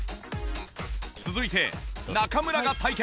続いて中村が体験。